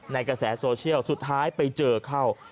กระแสโซเชียลสุดท้ายไปเจอเข้า